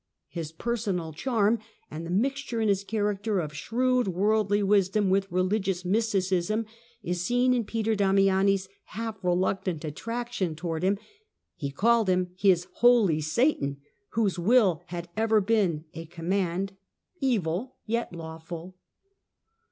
His personal charm, and the mixture in his character of shrewd worldly wisdom with religious mysticism, is seen in Peter Damiani's half reluctant attraction towards him. He called him his "Holy Satan," whose will had ever been to him " a command, evil yet lawful."